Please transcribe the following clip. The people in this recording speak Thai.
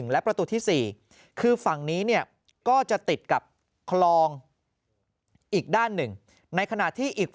และประตูที่๔คือฝั่งนี้เนี่ยก็จะติดกับคลองอีกด้านหนึ่งในขณะที่อีก